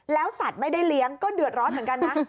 แล้วสัตว์ไม่ได้เลี้ยงก็เดือดร้อนเหมือนกันนะ